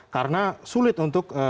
karena sulit untuk